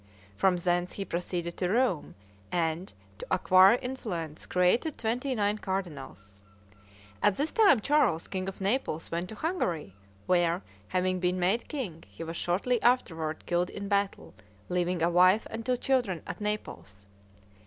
From thence he proceeded to Rome, and, to acquire influence, created twenty nine cardinals. At this time Charles, king of Naples, went to Hungary, where, having been made king, he was shortly afterward killed in battle, leaving a wife and two children at Naples.